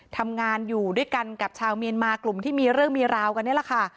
ทำงานอยู่ด้วยกันกับชาวเมียนมากลุ่มที่มีเรื่องมีราวกันนี่แหละค่ะ